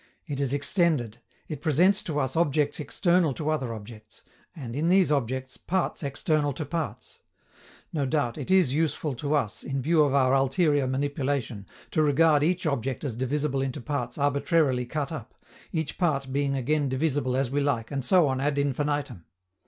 It is extended: it presents to us objects external to other objects, and, in these objects, parts external to parts. No doubt, it is useful to us, in view of our ulterior manipulation, to regard each object as divisible into parts arbitrarily cut up, each part being again divisible as we like, and so on ad infinitum.